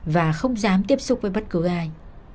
và không dám tiếp xúc với bất cứ ai